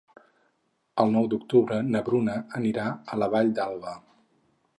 El nou d'octubre na Bruna anirà a la Vall d'Alba.